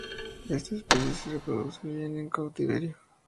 Esta especie se reproduce bien en cautiverio.